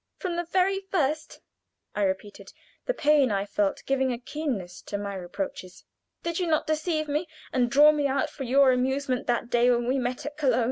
"From the very first," I repeated, the pain I felt giving a keenness to my reproaches. "Did you not deceive me and draw me out for your amusement that day we met at Köln?